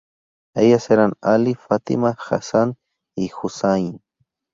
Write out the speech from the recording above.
Ellas eran Ali, Fátima, Hasan y Husayn.